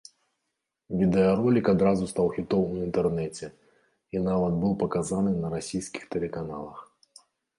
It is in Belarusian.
Відэаролік адразу стаў хітом у інтэрнэце і нават быў паказаны на расійскіх тэлеканалах.